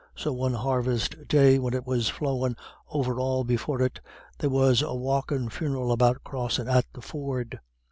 So one harvest day, when it was flowin' over all before it, there was a walkin' funeral about crossin' at the ford.